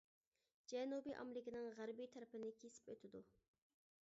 جەنۇبىي ئامېرىكىنىڭ غەربىي تەرىپىنى كېسىپ ئۆتىدۇ.